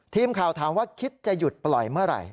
ทีมข่าวถามว่าคิดจะหยุดปล่อยเมื่อไหร่